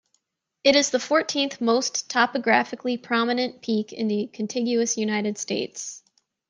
It is the fourteenth most topographically prominent peak in the contiguous United States.